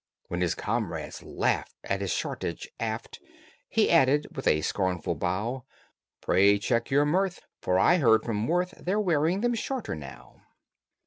When his comrades laughed at his shortage aft He added, with scornful bow, "Pray check your mirth, for I hear from Worth They're wearing them shorter now."